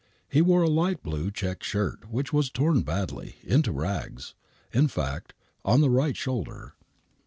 He wore a light blue check shirt, which was torn badly — into rags, in fact — on the right shoulder.